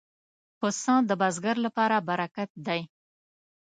پسه د بزګر لپاره برکت دی.